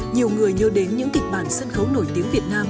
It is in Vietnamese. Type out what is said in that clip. nhiều người nhớ đến những kịch bản sân khấu nổi tiếng việt nam